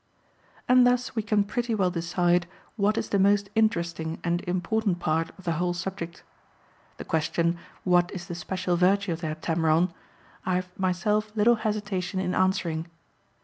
And thus we can pretty well decide what is the most interesting and important part of the whole subject. The question, What is the special virtue of the Heptameron? I have myself little hesitation in answering.